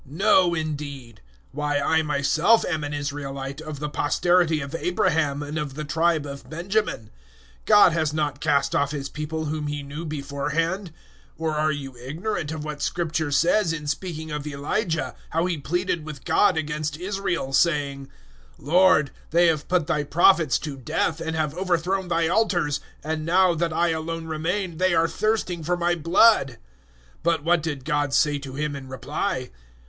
No, indeed. Why, I myself am an Israelite, of the posterity of Abraham and of the tribe of Benjamin. 011:002 God has not cast off His People whom He knew beforehand. Or are you ignorant of what Scripture says in speaking of Elijah how he pleaded with God against Israel, saying, 011:003 "Lord, they have put Thy Prophets to death, and have overthrown Thy altars; and, now that I alone remain, they are thirsting for my blood"? 011:004 But what did God say to him in reply?